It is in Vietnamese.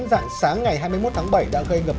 dặn sáng ngày hai mươi một tháng bảy đã gây gặp